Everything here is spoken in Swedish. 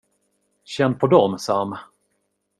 Känn på dem, Sam.